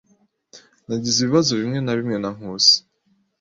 Nagize ibibazo bimwe na bimwe na Nkusi.